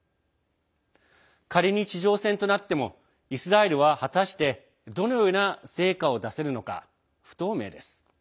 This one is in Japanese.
仮に地上戦となってもイスラエルは果たして、どのような成果を出せるのか不透明です。